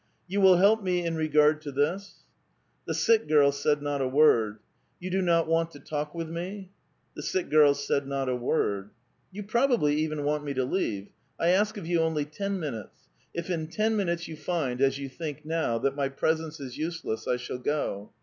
You will help me in regard to this?" The sick girl said not a word. " You do not want to talk with me?" The sick girl said not a word. *' You probably even want me to leave. I ask of you only ten minutes. If in ten minutes you find, as you think now, that my presence is useless, I shall go.